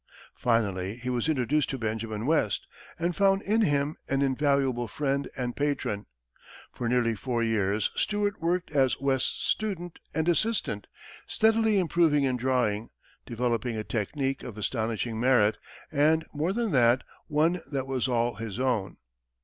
Finally, he was introduced to Benjamin West, and found in him an invaluable friend and patron. For nearly four years, Stuart worked as West's student and assistant, steadily improving in drawing, developing a technique of astonishing merit, and, more than that, one that was all his own.